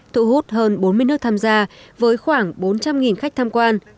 thụ hút hơn bốn mươi nước tham gia với khoảng bốn trăm linh khách tham quan